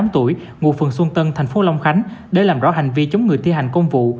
tám tuổi ngụ phường xuân tân thành phố long khánh để làm rõ hành vi chống người thi hành công vụ